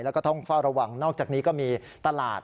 แล้วก็ต้องเฝ้าระวังนอกจากนี้ก็มีตลาด